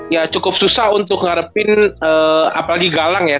ya cukup susah untuk ngarepin apalagi galang ya